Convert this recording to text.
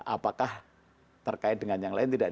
apakah terkait dengan yang lain tidak